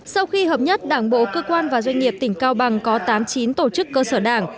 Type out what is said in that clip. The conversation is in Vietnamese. sau khi hợp nhất đảng bộ cơ quan và doanh nghiệp tỉnh cao bằng có tám mươi chín tổ chức cơ sở đảng